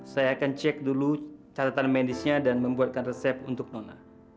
saya akan cek dulu catatan medisnya dan membuatkan resep untuk nona